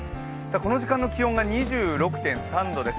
この時間の気温が２６．３度です。